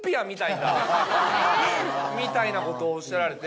みたいなことをおっしゃられて。